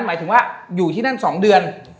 หมายถึงว่าอยู่ที่นั่น๒เดือน